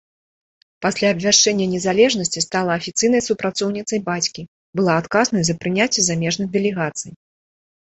Пасля абвяшчэння незалежнасці стала афіцыйнай супрацоўніцай бацькі, была адказнай за прыняцце замежных дэлегацый.